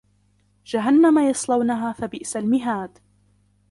جَهَنَّمَ يَصْلَوْنَهَا فَبِئْسَ الْمِهَادُ